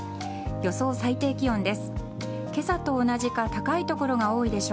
予想最高気温です。